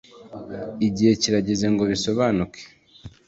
igihe kirageze ngo bisobanuke